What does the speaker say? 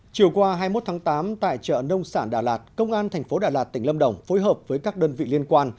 chiều qua hai mươi một tháng tám tại chợ nông sản đà lạt công an tp đà lạt tỉnh lâm đồng phối hợp với các đơn vị liên quan